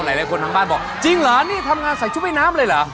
หลายคนทางบ้านบอกจริงเหรอนี่ทำงานใส่ชุดว่ายน้ำเลยเหรอ